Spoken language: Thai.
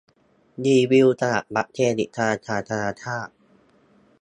รีวิวสมัครบัตรเครดิตธนาคารธนชาต